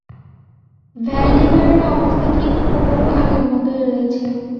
ভ্যালডিমারের অবস্থা ঠিক হুবহু আগের মতোই রয়েছে।